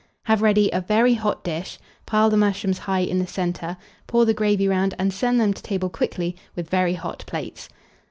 Have ready a very hot dish, pile the mushrooms high in the centre, pour the gravy round, and send them to table quickly, with very hot plates.